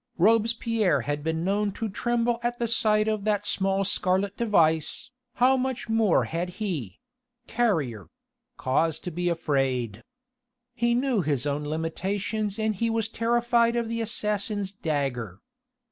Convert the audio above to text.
Robespierre had been known to tremble at sight of that small scarlet device, how much more had he Carrier cause to be afraid. He knew his own limitations and he was terrified of the assassin's dagger.